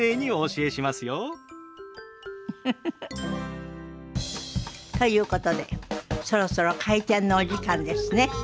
ウフフフ。ということでそろそろ開店のお時間ですね。